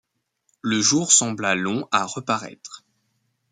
Le jour sembla long à reparaître.